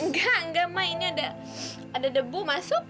enggak enggak ma ini ada debu masuk